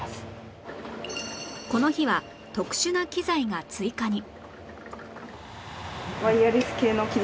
この日は特殊な機材が追加に